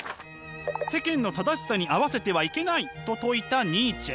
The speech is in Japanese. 世間の正しさに合わせてはいけないと説いたニーチェ。